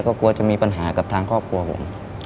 ก็กลัวจะมีปัญหากับทางครอบครัวผม